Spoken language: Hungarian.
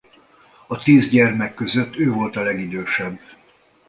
A tíz gyermek között ő volt a legidősebb.